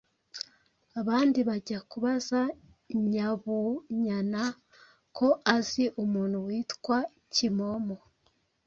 abandi bajya kubaza Nyabunyana ko azi umuntu witwa Kimomo.